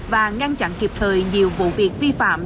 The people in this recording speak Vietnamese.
và ngăn chặn kịp thời nhiều vụ việc vi phạm